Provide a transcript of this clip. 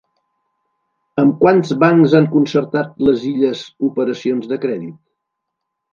Amb quants bancs han concertat les Illes operacions de crèdit?